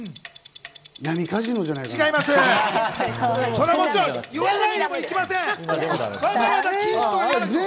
闇カジノじゃないかな？